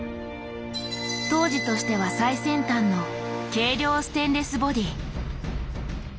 当時としては最先端の軽量ステンレスボディー。